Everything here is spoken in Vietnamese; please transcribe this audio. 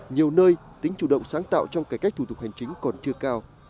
nhiều nơi tính chủ động sáng tạo trong cải cách thủ tục hành chính còn chưa cao